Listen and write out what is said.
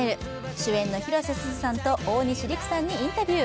主演の広瀬すずさんと大西利空さんにインタビュー。